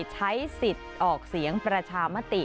ใช้สิทธิ์ออกเสียงประชามติ